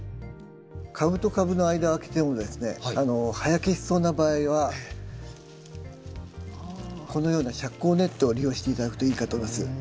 株と株の間を空けてもですね葉焼けしそうな場合はこのような遮光ネットを利用して頂くといいかと思います。